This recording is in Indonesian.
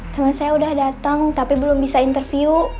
temen saya udah dateng tapi belum bisa interview